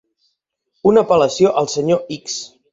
Una apel·lació al Senyor X.